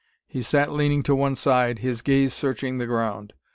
He sat leaning to one side, his gaze searching the ground.